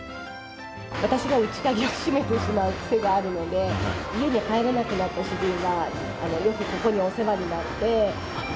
私が内鍵を閉めてしまう癖があるので、家に入れなくなった主人が、よくここにお世話になって。